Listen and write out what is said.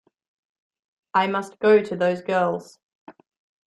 I must go to those girls.